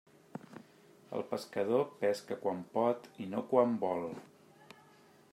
El pescador pesca quan pot i no quan vol.